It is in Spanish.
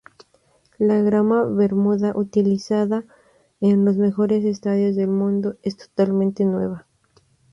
La grama "bermuda" utilizada en los mejores estadios del mundo, es totalmente nueva.